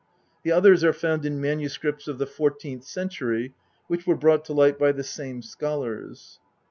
The others are found in MSS. of the fourteenth century, which were brought to light by the same scholars.